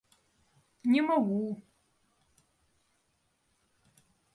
Не могу.